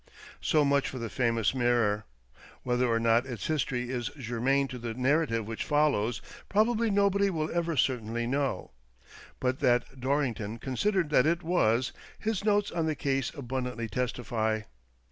So much for the famous. " Mirror." Whether or not its history is germane to the narrative which follows, probably nobody will ever certainly know. But that Dorrington considered that it was, his notes on the case abundantly testify.